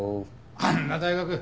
あんな大学。